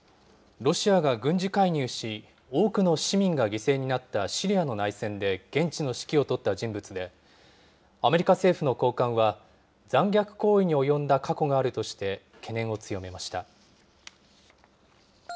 ロシアが軍事介入し、多くの市民が犠牲になったシリアの内戦で現地の指揮を執った人物で、アメリカ政府の高官は、残虐行為に及んだ過去があるとして、懸念を強めました。